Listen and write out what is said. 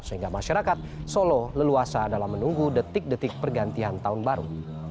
sehingga masyarakat solo leluasa dalam menunggu detik detik pergantian tahun baru